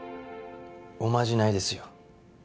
おまじないですよ。